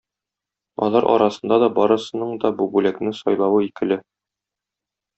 Алар арасында да барысының да бу бүлекне сайлавы икеле.